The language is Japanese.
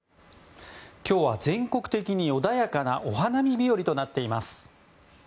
今日は全国的に穏やかなお花見日和となっています。